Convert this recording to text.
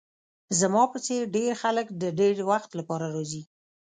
زما په څیر ډیر خلک د ډیر وخت لپاره راځي